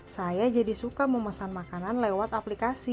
saya jadi suka memesan makanan lewat aplikasi